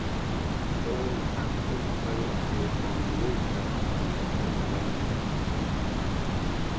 Ball has also appeared on "Walker, Texas Ranger".